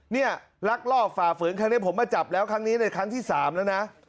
เนี่ยลักลอบฝ่าฝืนครั้งนี้ผมมาจับแล้วครั้งนี้ในครั้งที่๓แล้วนะ